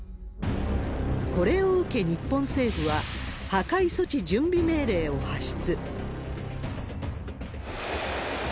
これを受け、日本政府は破壊措置準備命令を発出。